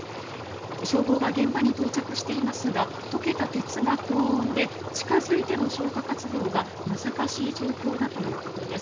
消防が現場に到着していますが溶けた鉄が高温で近付いての消火活動が難しい状況だということです。